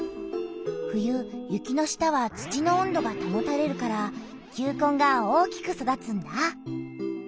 冬雪の下は土の温度がたもたれるから球根が大きく育つんだ！